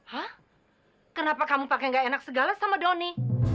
hah kenapa kamu pakai yang gak enak segala sama doni